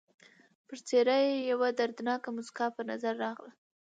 پر څېره یې یوه دردناکه مسکا په نظر راغله.